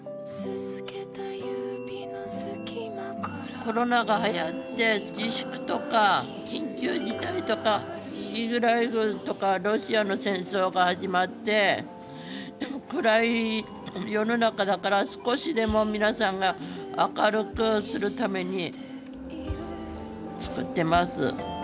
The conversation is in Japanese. コロナがはやって自粛とか緊急事態とかロシアの戦争が始まって暗い世の中だから少しでも皆さんが明るくするために作ってます。